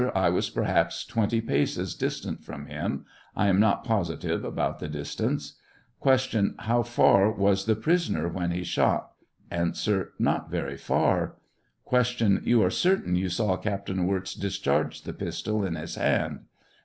A. I was perhaps 2U paces distant from him ; I am not positive about the distance. Q. • How &r was the prisoner when he shot ? A Py fit vprv TftT q! You are certain you saw Captain Wirz discharge the pistol iu his hand